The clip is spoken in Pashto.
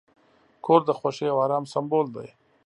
کور د خوښۍ او آرام سمبول دی.